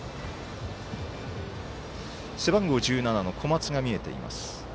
背番号１７、小松が見えています。